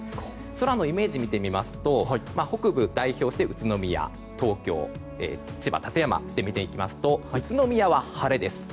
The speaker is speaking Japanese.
空のイメージを見てみますと北部を代表して宇都宮、東京、千葉・館山で見ていきますと宇都宮は晴れです。